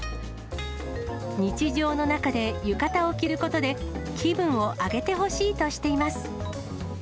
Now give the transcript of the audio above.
日常の中で浴衣を着ることで、気分を上げてほしいとしています。